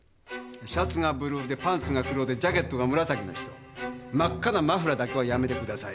シャツがブルーでパンツが黒でジャケットが紫の人真っ赤なマフラーだけはやめてください。